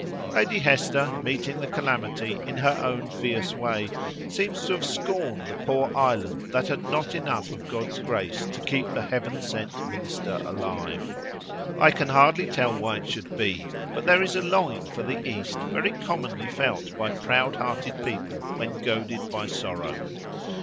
Lady Hester, meeting the calamity in her own fierce way, seems to have scorned the poor island that had not enough of God's grace to keep the "heaven sent" Minister alive. I can hardly tell why it should be, but there is a longing for the East very commonly felt by proud hearted people when goaded by sorrow.